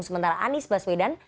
sementara anies baswedan